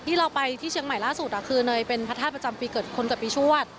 ที่เราไปที่เชียงใหม่ล่าสุดคือเนยเป็นพระธาตุประจำปีเกิดคนกับปีชวด